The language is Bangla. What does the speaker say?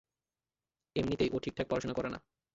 এমনিতেই, ও ঠিকঠাক পড়াশোনা করে না।